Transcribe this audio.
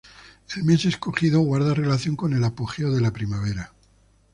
El mes escogido guarda relación con el apogeo de la primavera.